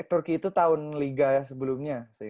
turki itu tahun liga sebelumnya sih